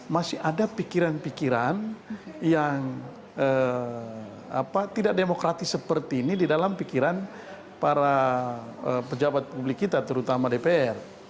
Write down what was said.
masih ada pikiran pikiran yang tidak demokratis seperti ini di dalam pikiran para pejabat publik kita terutama dpr